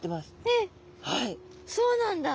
えっそうなんだ。